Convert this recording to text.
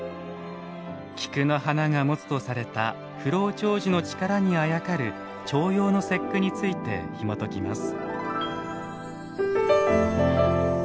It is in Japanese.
菊の花が持つとされた不老長寿の力にあやかる重陽の節句についてひもときます。